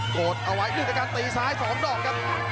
โกรธเอาไว้ดูจากการตีซ้าย๒ดอกครับ